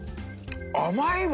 甘いわ。